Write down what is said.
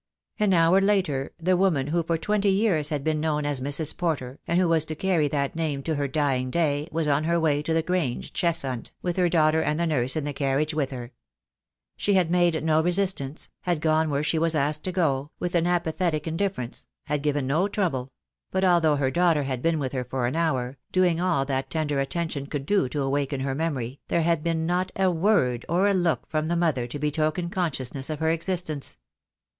An hour later the woman who for twenty years had been known as Mrs. Porter, and who was to carry that name to her dying day, was on her way to The Grange, Cheshunt, with her daughter and the nurse in the car riage with her. She had made no resistance, had gone where she was asked to go, with an apathetic indifference, had given no trouble; but although her daughter had been with her for an hour, doing all that tender attention could do to awaken her memory, there had been not a word or a look from the mother to betoken consciousness of her existence.